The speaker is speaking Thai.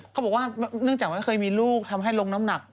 เขาบอกว่าเนื่องจากไม่เคยมีลูกทำให้ลงน้ำหนัก